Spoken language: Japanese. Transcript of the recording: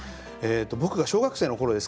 僕が小学生の頃ですか